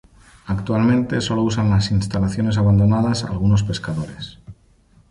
Actualmente solo usan las instalaciones abandonadas algunos pescadores.